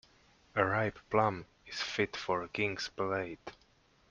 A ripe plum is fit for a king's palate.